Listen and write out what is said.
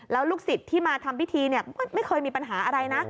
แล้วลูกศิษย์ที่มาทำพิธีไม่เคยมีปัญหาอะไรนะ